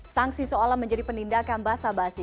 sanksi seolah menjadi penindakan basa basi